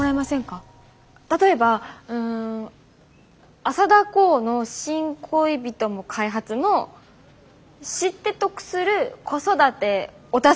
例えば浅田航の新恋人も開発の知って得する子育てお助けアプリ。